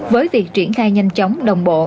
với việc triển khai nhanh chóng đồng bộ